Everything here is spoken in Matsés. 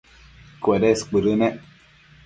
cuedes cuëdënec